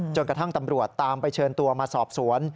จนกระทั่งตำรวจตามไปเชิญตัวมาสอบสวน